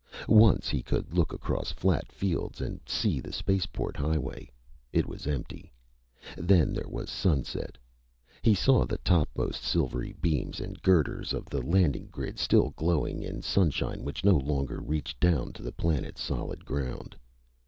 Once he could look across flat fields and see the spaceport highway. It was empty. Then there was sunset. He saw the topmost silvery beams and girders of the landing grid still glowing in sunshine which no longer reached down to the planet's solid ground.